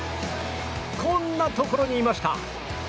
こんなところにいました。